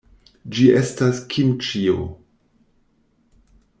Ĝi estas kimĉio.